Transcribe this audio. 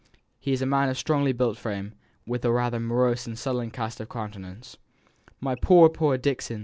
He is a man of a strongly built frame, and with rather a morose and sullen cast of countenance." "My poor, poor Dixon!"